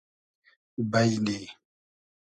بݷنی